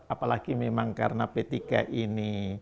apalagi memang karena p tiga ini